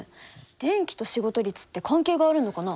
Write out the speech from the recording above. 電気と仕事率って関係があるのかな？